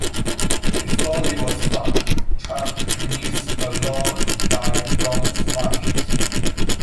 His body was found, trapped beneath a log by Dombrovskis.